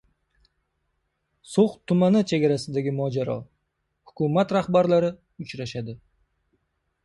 So‘x tumani chegarasidagi mojaro: hukumat rahbarlari uchrashadi